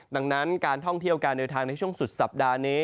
ดังนั้นการท่องเที่ยวการเดินทางในช่วงสุดสัปดาห์นี้